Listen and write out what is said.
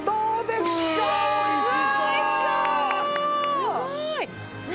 すごい！何？